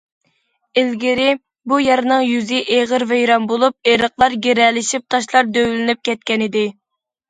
ئىلگىرى بۇ يەرنىڭ يۈزى ئېغىر ۋەيران بولۇپ، ئېرىقلار گىرەلىشىپ، تاشلار دۆۋىلىنىپ كەتكەنىدى.